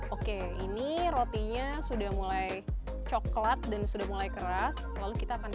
oke ini rotinya sudah mulai coklat dan sudah mulai keras lalu kita akan